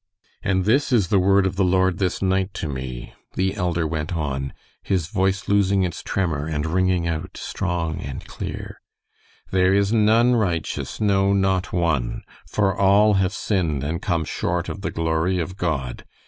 "And this is the word of the Lord this night to me," the elder went on, his voice losing its tremor and ringing out strong and clear: "'There is none righteous, no, not one, for all have sinned and come short of the glory of God.